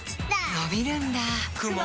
のびるんだ